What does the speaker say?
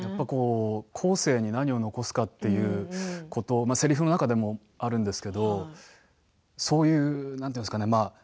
後世に何を残すかということせりふの中でもあるんですけどそういう、なんていうんですかね